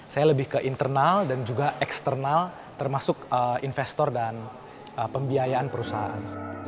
saya lebih ke internal dan juga eksternal termasuk investor dan pembiayaan perusahaan